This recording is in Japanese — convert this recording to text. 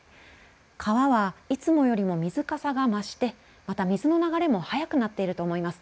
川はいつもよりも水かさが増してまた水の流れも速くなっていると思います。